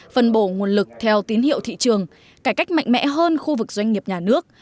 phân bổ nguồn lực theo tín hiệu thị trường cải cách mạnh mẽ hơn khu vực doanh nghiệp nhà nước